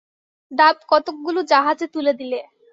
ডাব কতকগুলো জাহাজে তুলে দিলে।